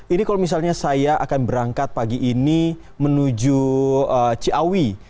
ini kalau misalnya saya akan berangkat pagi ini menuju ciawi